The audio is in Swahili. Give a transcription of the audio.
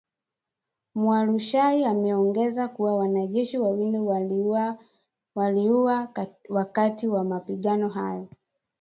Mualushayi ameongeza kuwa, wanajeshi wawili waliuawa wakati wa mapigano hayo